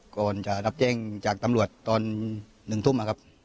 ก่อนจะรับแจ้งจากตำรวจตอน๑ทุ่มนะครับ